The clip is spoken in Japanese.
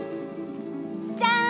じゃん！